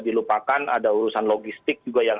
dilupakan ada urusan logistik juga yang